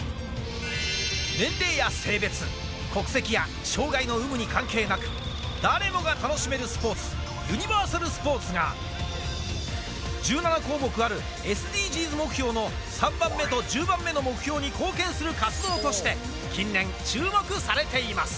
年齢や性別、国籍や障がいの有無に関係なく、誰もが楽しめるスポーツ、ユニバーサルスポーツが、１７項目あるＳＤＧｓ目標の３番目と１０番目の目標に貢献する活動として、近年、注目されています。